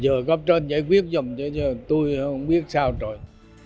giờ góp trơn giải quyết dùm cho tôi không biết sao rồi